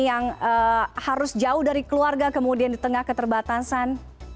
yang harus jauh dari keluarga kemudian di tengah keterbatasan